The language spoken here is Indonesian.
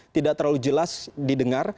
tidak terlalu jelas didengar